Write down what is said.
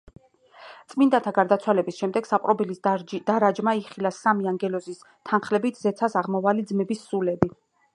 წმიდანთა გარდაცვალების შემდეგ საპყრობილის დარაჯმა იხილა სამი ანგელოზის თანხლებით ზეცას აღმავალი ძმების სულები.